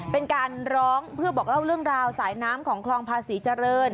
เป็นการร้องเพื่อบอกเล่าเรื่องราวสายน้ำของคลองภาษีเจริญ